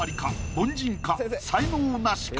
凡人か？